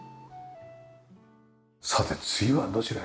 さて次はどちらへ？